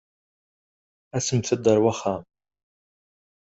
Asemt-d ar wexxam.